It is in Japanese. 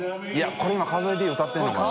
これ今川添Ｄ歌ってるのかな？